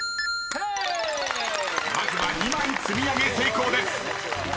［まずは２枚積み上げ成功です］